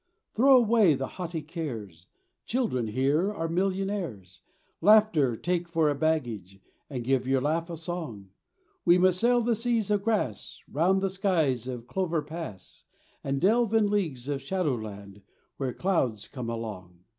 Throw away the haughty cares, children here are millionaires, Laughter take for baggage and give your laugh a song; We must sail the seas of grass, round the isles of clover pass, And delve in leagues of shadowland, when clouds come along.